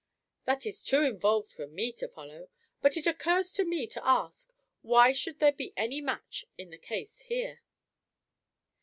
"That is too involved for me to follow. But it occurs to me to ask, Why should there be any match in the case here?"